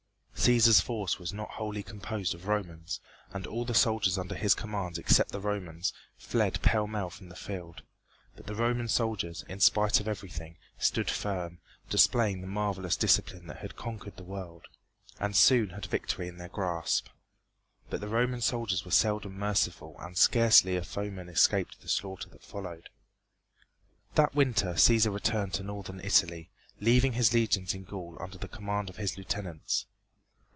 Cæsar's force was not wholly composed of Romans, and all the soldiers under his command except the Romans fled pell mell from the field, but the Roman soldiers, in spite of everything, stood firm, displaying the marvelous discipline that had conquered the world, and soon had victory in their grasp. But the Roman soldiers were seldom merciful and scarcely a foeman escaped the slaughter that followed. That winter Cæsar returned to northern Italy, leaving his legions in Gaul under the command of his lieutenants.